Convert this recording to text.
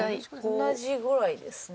同じぐらいですね。